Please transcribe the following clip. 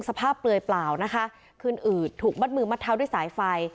เปลือยเปล่านะคะขึ้นอืดถูกมัดมือมัดเท้าด้วยสายไฟ